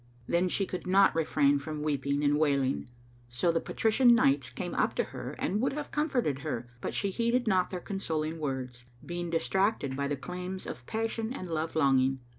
Then she could not refrain from weeping and wailing. So the patrician[FN#505] knights came up to her and would have comforted her, but she heeded not their consoling words, being distracted by the claims of passion and love longing.